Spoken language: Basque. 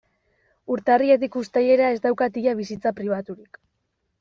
Urtarriletik uztailera ez daukat ia bizitza pribaturik.